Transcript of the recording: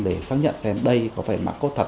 để xác nhận xem đây có phải mạng cốt thật